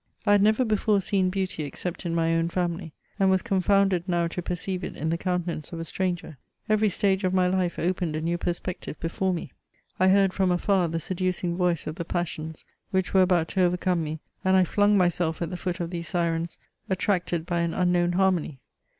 I had . never before seen beauty except in my own family, and was confcmnded now to perceive it in the countaoance of a stranger. Every stage of my life (^pened a new perspective before me. I heard from afar the seducing voice of the passions, which were about to overcome me, and I fiung myself at the foot of these syrens, attracted by an unknown harmony.